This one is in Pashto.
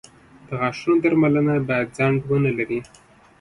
• د غاښونو درملنه باید ځنډ ونه لري.